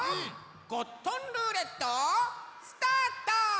ゴットンルーレットスタート！